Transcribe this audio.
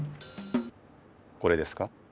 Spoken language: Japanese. これですか？